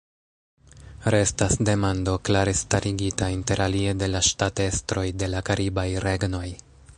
Restas demando klare starigita, interalie, de la ŝtatestroj de la karibaj regnoj.